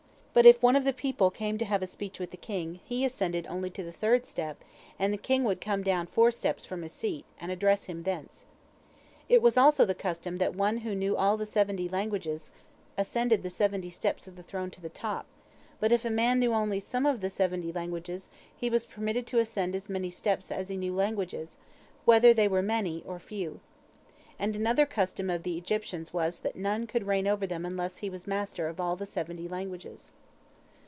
But if one of the people came to have speech with the king, he ascended only to the third step, and the king would come down four steps from his seat, and address him thence. It was also the custom that one who knew all the seventy languages ascended the seventy steps of the throne to the top, but if a man knew only some of the seventy languages, he was permitted to ascend as many steps as he knew languages, whether they were many or, few. And another custom of the Egyptians was that none could reign over them unless he was master of all the seventy languages.